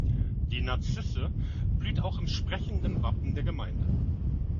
Die Narzisse blüht auch im sprechenden Wappen der Gemeinde.